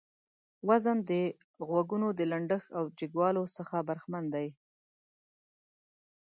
وزن د غږونو د لنډښت او جګوالي څخه برخمن دى.